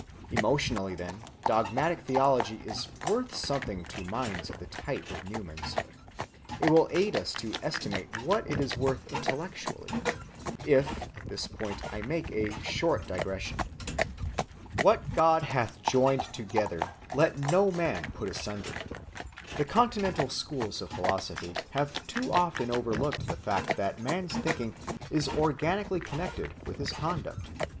Emotionally, then, dogmatic theology is worth something to minds of the type of Newman's. It will aid us to estimate what it is worth intellectually, if at this point I make a short digression. ‐‐‐‐‐‐‐‐‐‐‐‐‐‐‐‐‐‐‐‐‐‐‐‐‐‐‐‐‐‐‐‐‐‐‐‐‐ What God hath joined together, let no man put asunder. The Continental schools of philosophy have too often overlooked the fact that man's thinking is organically connected with his conduct.